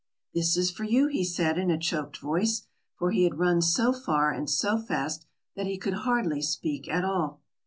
"This is for you," he said, in a choked voice, for he had run so far and so fast that he could hardly speak at all.